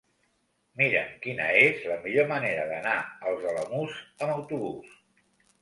Mira'm quina és la millor manera d'anar als Alamús amb autobús.